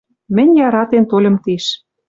Мӹнь яратен тольым тиш...